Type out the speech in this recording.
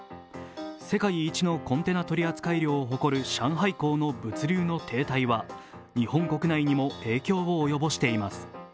世界一のコンテナ取扱量を誇る上海港の物流の停滞は日本国内にも影響を及ぼしています。